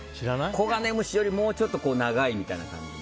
コガネムシよりもうちょっと長いみたいな。